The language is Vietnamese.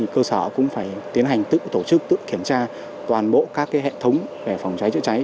cơ sở cũng phải tiến hành tự tổ chức tự kiểm tra toàn bộ các hệ thống về phòng cháy chữa cháy